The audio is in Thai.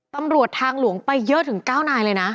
ตำรวจทางหลวงไปเยอะถึง๙นายเลยนะ